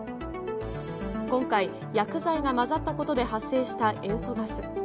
今回、薬剤が混ざったことで発生した塩素ガス。